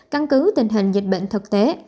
căn cứ tình hình dịch bệnh thực tế